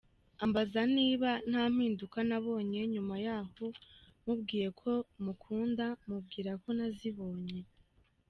Ambaza niba nta mpinduka nabonye nyuma yaho mubwiye ko mukubda mubwira ko nazibonye.